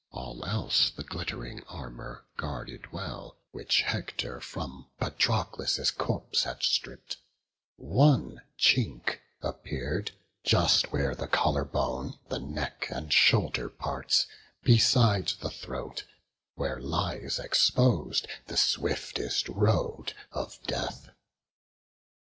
All else the glitt'ring armour guarded well, Which Hector from Patroclus' corpse had stripp'd; One chink appear'd, just where the collar bone The neck and shoulder parts, beside the throat, Where lies expos'd the swiftest road of death.